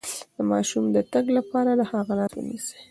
د ماشوم د تګ لپاره د هغه لاس ونیسئ